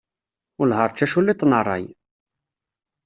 Wellah ar d taculliḍt n ṛṛay!